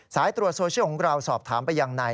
สายตรวจโซเชียลของเราสอบถามไปยังนาย